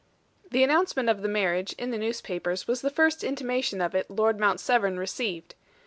The announcement of the marriage in the newspapers was the first intimation of it Lord Mount Severn received.